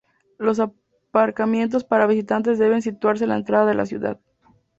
Los aparcamientos para visitantes deben situarse a la entrada de la ciudad